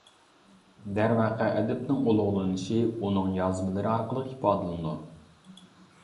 دەرۋەقە ئەدىبنىڭ ئۇلۇغلىنىشى ئۇنىڭ يازمىلىرى ئارقىلىق ئىپادىلىنىدۇ.